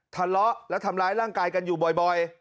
ทะเลาะและทำร้ายร่างกายกันอยู่บ่อย